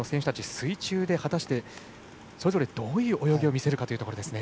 水中で果たしてどういう泳ぎを見せるかというところですね。